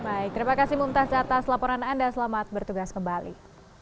baik terima kasih mumtaz atas laporan anda selamat bertugas kembali